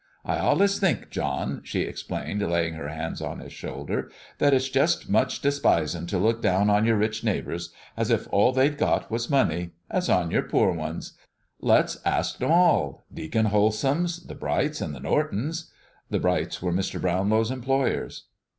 "I allus think, John," she explained, laying her hand on his shoulder, "that it's just's much despisin' to look down on your rich neighbors as if all they'd got was money as on your poor ones. Let's ask 'em all: Deacon Holsum's, the Brights, and the Nortons." The Brights were Mr. Brownlow's employers.